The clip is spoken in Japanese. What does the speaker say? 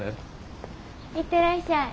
行ってらっしゃい。